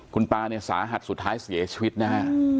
คุณตาเนี่ยสาหัสสุดท้ายเสียชีวิตนะฮะ